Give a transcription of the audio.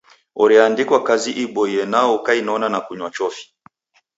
Oreandikwa kazi iboie nao ukainona na kunywa chofi.